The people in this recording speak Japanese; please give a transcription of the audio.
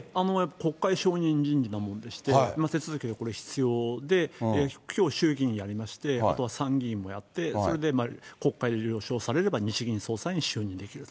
国会承認人事でして、手続きが必要で、きょう衆議院やりまして、あとは参議院もやって、それで国会で了承されれば日銀総裁に就任できると。